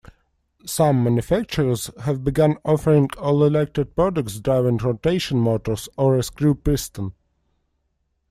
Some manufacturers have begun offering all-electric products driving rotation motors or a screw piston.